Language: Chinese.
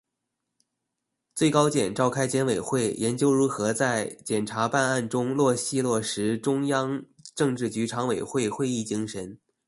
最高检召开检委会研究如何在检察办案中落细落实中央政治局常委会会议精神